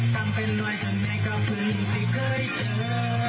ตามเป็นหน่อยจากแม่ก็พึ่งเสียเคยเจอ